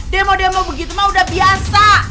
demo demo begitu mah udah biasa